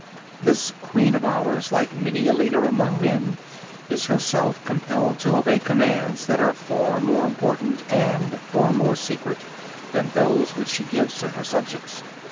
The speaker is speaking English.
This queen of ours, like many a leader among men, is herself compelled to obey commands that are far more important, and far more secret, than those which she gives to her subjects.